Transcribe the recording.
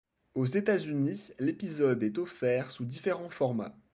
Aux États-Unis, l'épisode est offert sous différents formats.